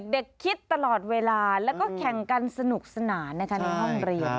คิดตลอดเวลาแล้วก็แข่งกันสนุกสนานนะคะในห้องเรียน